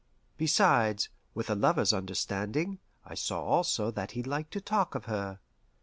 Besides, with a lover's understanding, I saw also that he liked to talk of her.